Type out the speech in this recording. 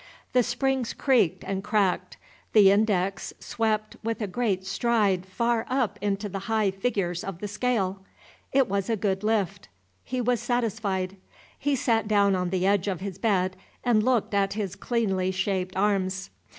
The springs creaked and cracked; the index swept with a great stride far up into the high figures of the scale; it was a good lift. He was satisfied. He sat down on the edge of his bed and looked at his cleanly shaped arms.